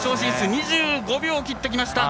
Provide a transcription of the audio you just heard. ２５秒を切ってきました。